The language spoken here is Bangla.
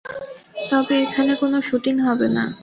তবে এখানে কোনও শুটিং হবে না।